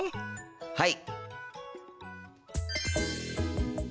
はい！